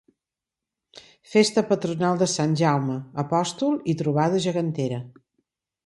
Festa patronal de Sant Jaume Apòstol i trobada gegantera.